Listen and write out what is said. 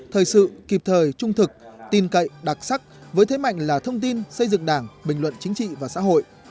thời sự kịp thời trung thực tin cậy đặc sắc với thế mạnh là thông tin xây dựng đảng bình luận chính trị và xã hội